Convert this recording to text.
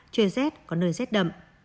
trời rét có nơi rét đậm